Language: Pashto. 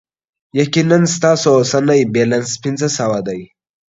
یقینا، ستاسو اوسنی بیلانس پنځه سوه دی.